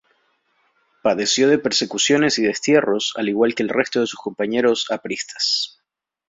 Padeció de persecuciones y destierros al igual que el resto de sus compañeros apristas.